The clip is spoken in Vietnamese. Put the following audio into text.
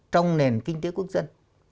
trong nền kinh tế quốc dân